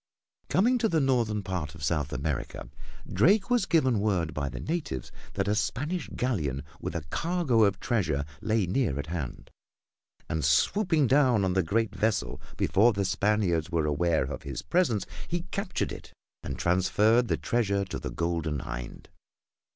Coming to the northern part of South America, Drake was given word by the natives that a Spanish galleon with a cargo of treasure lay near at hand, and swooping down on the great vessel before the Spaniards were aware of his presence he captured it and transferred the treasure to the Golden Hind.